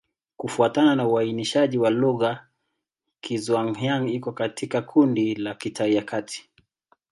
Kufuatana na uainishaji wa lugha, Kizhuang-Yang iko katika kundi la Kitai ya Kati.